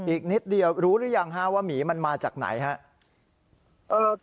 อีกนิดเดียวรู้หรือยังว่าหมีมันมาจากไหนครับ